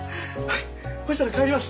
ほしたら帰ります。